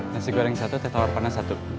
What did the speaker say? nasi goreng satu teh tawar panas satu